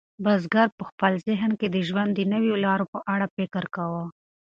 بزګر په خپل ذهن کې د ژوند د نویو لارو په اړه فکر کاوه.